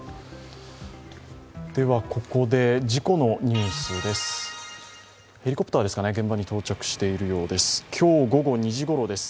ここで事故のニュースです。